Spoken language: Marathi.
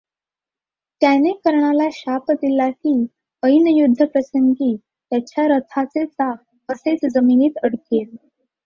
त्याने कर्णाला शाप दिला, की ऐन युद्धप्रसंगी त्याच्या रथाचे चाक असेच जमिनीत अडकेल.